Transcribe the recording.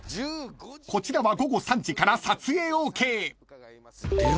［こちらは午後３時から撮影ＯＫ］